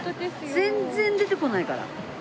全然出てこないから！